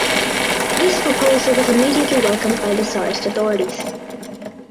This proposal was immediately welcomed by the tsarist authorities.